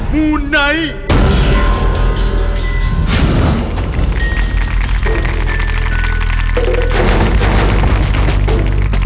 มูไนท์